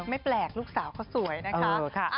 ไม่แปลกลูกสาวเขาสวยนะคะ